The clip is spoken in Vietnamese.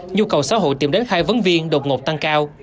nhu cầu xã hội tìm đến hai vấn viên đột ngột tăng cao